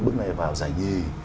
bức này vào giải nhi